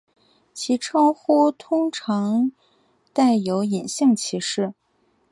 其称呼通常带有隐性歧视。